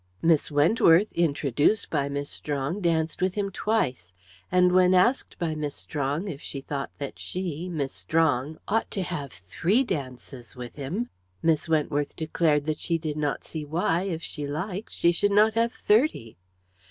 Miss Wentworth, introduced by Miss Strong, danced with him twice, and when asked by Miss Strong if she thought that she Miss Strong ought to have three dances with him Miss Wentworth declared that she did not see why, if she liked, she should not have thirty.